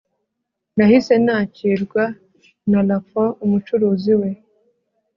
nahise nakirwa na lafont, umucuruzi we